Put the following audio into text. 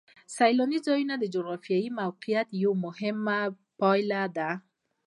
سیلاني ځایونه د جغرافیایي موقیعت یوه مهمه پایله ده.